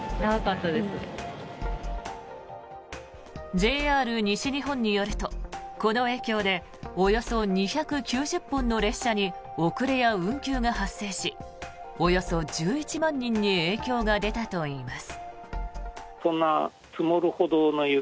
ＪＲ西日本によるとこの影響でおよそ２９０本の列車に遅れや運休が発生しおよそ１１万人に影響が出たといいます。